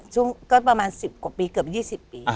ช่วงประมาณ๑๐ปีเกือบ๒๐ปี